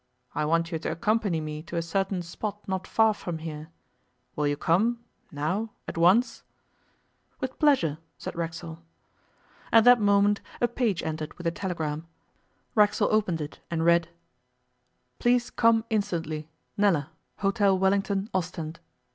I want you to accompany me to a certain spot not far from here. Will you come, now, at once?' 'With pleasure,' said Racksole. At that moment a page entered with a telegram. Racksole opened it read: 'Please come instantly. Nella. Hôtel Wellington, Ostend.